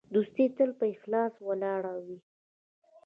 دوستي تل په اخلاص ولاړه وي.